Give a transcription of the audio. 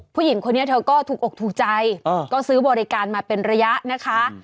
ผู้หญิงคนนี้เธอก็ถูกอกถูกใจก็ซื้อบริการมาเป็นระยะนะคะ